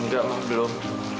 enggak ma belum